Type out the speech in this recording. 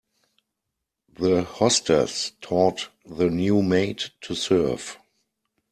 The hostess taught the new maid to serve.